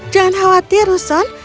jangan khawatir ruson